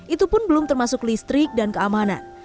itu pun belum termasuk listrik dan keamanan